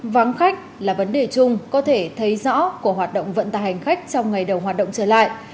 vắng khách là vấn đề chung có thể thấy rõ của hoạt động vận tài hành khách trong ngày đầu hoạt động trở lại